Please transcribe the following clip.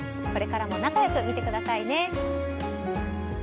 これからも仲良く見てくださいね。